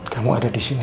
kamu ada disini lagi